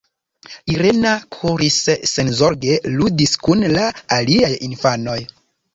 Irena kuris, senzorge ludis kun la aliaj infanoj.